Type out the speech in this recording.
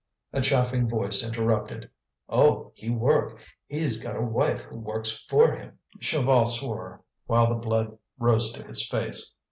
A chaffing voice interrupted: "Oh! he work! he's got a wife who works for him." Chaval swore, while the blood rose to his face.